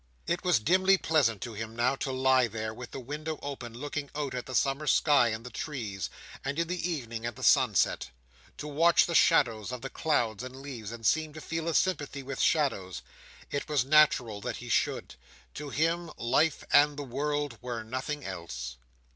It was dimly pleasant to him now, to lie there, with the window open, looking out at the summer sky and the trees: and, in the evening, at the sunset. To watch the shadows of the clouds and leaves, and seem to feel a sympathy with shadows. It was natural that he should. To him, life and the world were nothing else.